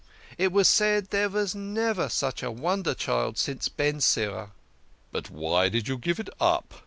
It was said there never was such a wonder child since Ben Sira." " But why did you give it up